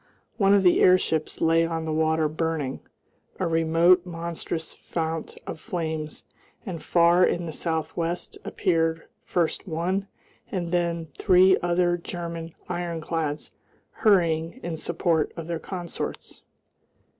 One of the airships lay on the water burning, a remote monstrous fount of flames, and far in the south west appeared first one and then three other German ironclads hurrying in support of their consorts....